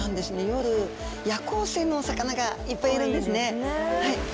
夜夜行性のお魚がいっぱいいるんですね。